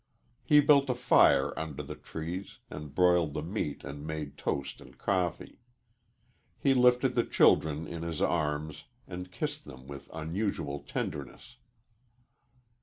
He built a fire under the trees and broiled the meat and made toast and coffee. He lifted the children in his arms and kissed them with unusual tenderness.